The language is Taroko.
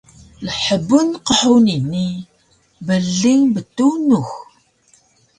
lhbun qhuni ni bling btunux